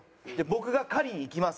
僕が狩りに行きます！